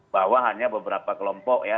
bahwa hanya beberapa kelompok ya